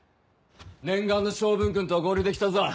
念願の昌文君とは合流できたぞ。